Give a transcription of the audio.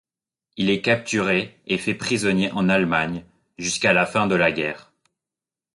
Il est capturé et fait prisonnier en Allemagne jusqu'à la fin de la guerre.